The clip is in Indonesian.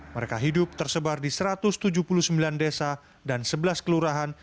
mereka hidup tersebar di satu ratus tujuh puluh sembilan desa dan sebelas kelurahan